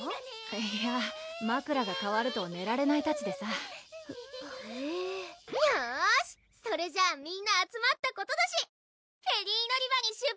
いやぁ枕がかわると寝られないたちでさへへぇよしそれじゃみんな集まったことだしフェリー乗り場に出発しよう！